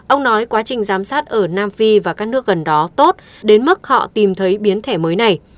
ông nói quá trình giám sát ở nam phi và các nước gần đó tốt đến mức họ tìm thấy biến thể mới này